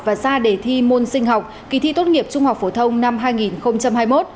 và ra đề thi môn sinh học kỳ thi tốt nghiệp trung học phổ thông năm hai nghìn hai mươi một